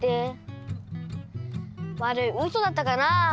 わるいウソだったかなあ。